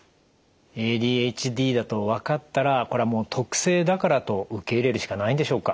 ＡＤＨＤだと分かったらこれはもう特性だからと受け入れるしかないんでしょうか？